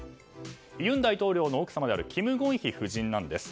尹大統領の奥様であるキム・ゴンヒ夫人なんです。